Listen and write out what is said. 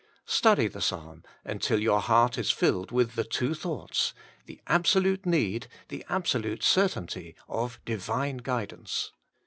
Study the psalm imtil your heart is filled with the two thoughts — the absolute need, the absolute certainty of divine guidance.